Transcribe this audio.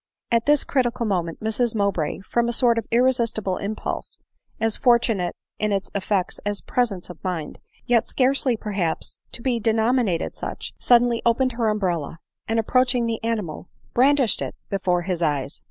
At this critical moment Mrs Mowbray, from a sort of irresistible impulse, as fortunate in its effects as presence of mind, yet scarcely perhaps te be denominated such, suddenly opened her umbrella ; and, approaching the animal, brandished it before his eyes.